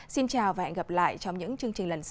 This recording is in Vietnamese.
xin chào và hẹn gặp lại trong những chương trình lần sau